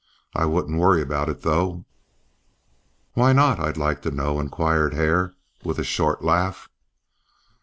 I wouldn't worry about it, though." "Why not, I'd like to know?" inquired Hare, with a short laugh.